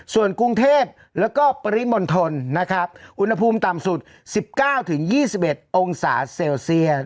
ส่วนกรุงเทพฯแล้วก็ปริมณฑลนะครับอุณหภูมิต่ำสุดสิบเก้าถึงยี่สิบเอ็ดองสาเซลเซีย